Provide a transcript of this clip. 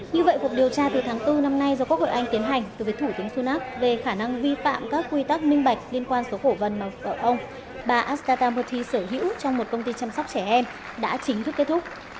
như vậy cuộc điều tra từ tháng bốn năm nay do quốc hội anh tiến hành từ với thủ tướng sunak về khả năng vi phạm các quy tắc minh bạch liên quan số cổ phần mà vợ ông bà astata houthi sở hữu trong một công ty chăm sóc trẻ em đã chính thức kết thúc